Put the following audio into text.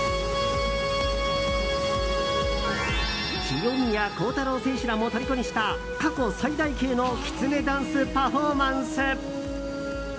清宮幸太郎選手らもとりこにした過去最大級の「きつねダンス」パフォーマンス。